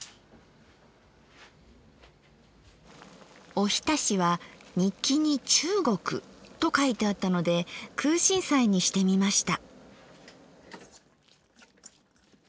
おひたしは日記に「中国」と書いてあったので空心菜にしてみました。